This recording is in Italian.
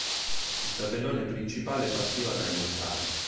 Il tabellone principale partiva dagli ottavi.